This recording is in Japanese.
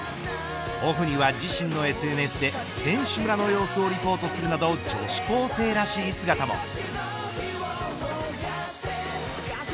オフには自身のＳＮＳで選手村の様子をリポートするなど女子高生らしい姿も。